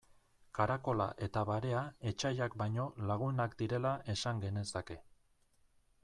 Karakola eta barea etsaiak baino lagunak direla esan genezake.